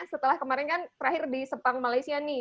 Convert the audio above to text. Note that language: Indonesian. setelah kemarin kan terakhir di sepang malaysia nih